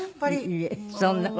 いえそんな事。